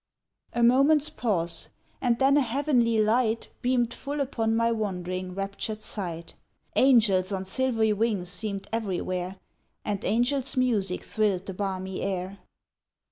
A moment's pause, and then a heavenly light Beamed full upon my wondering, raptured sight; Angels on silvery wings seemed everywhere, And angels' music thrilled the balmy air.